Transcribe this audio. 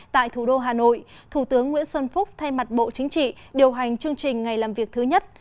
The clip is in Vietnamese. tại thủ đô hà nội thủ tướng nguyễn xuân phúc thay mặt bộ chính trị điều hành chương trình ngày làm việc thứ nhất